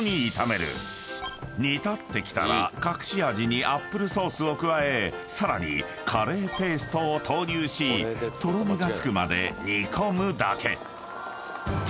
［煮立ってきたら隠し味にアップルソースを加えさらにカレーペーストを投入しとろみがつくまで煮込むだけ］